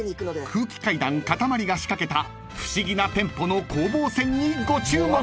［空気階段かたまりが仕掛けた不思議なテンポの攻防戦にご注目！］